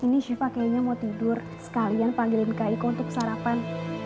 ini syifa kayaknya mau tidur sekalian panggilin kak iko untuk sarapan